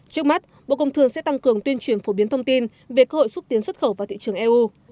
trước mắt bộ công thương sẽ tăng cường tuyên truyền phổ biến thông tin về cơ hội xúc tiến xuất khẩu vào thị trường eu